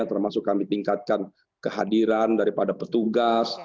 termasuk kami tingkatkan kehadiran daripada petugas